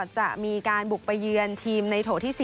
จะมีการบุกไปเยือนทีมในโถที่๔